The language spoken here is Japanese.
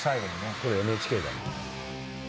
これＮＨＫだね。